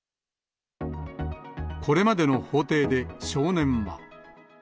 これまでの法廷で少年は。